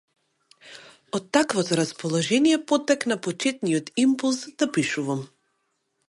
Од таквото расположение потекна почетниот импулс да пишувам.